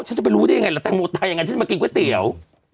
จะไปรู้ได้ยังไงเต็กโหมแตคยังไงจะมากินก๋วยเตี๋ยว